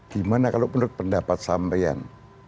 gimana kalau menurut pendapat sampean